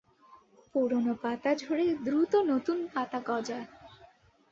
পুরনো পাতা ঝরে দ্রুত নতুন পাতা গজায়।